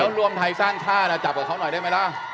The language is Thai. แล้วรวมไทยสร้างชาติจับกับเขาหน่อยได้ไหมล่ะ